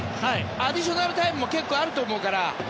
アディショナルタイムも結構あると思うから。